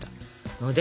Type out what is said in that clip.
ので！